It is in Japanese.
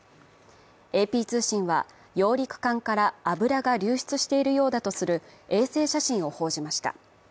ＡＰ通信は、揚陸艦から油が流出しているようだとする衛星写真を報じました。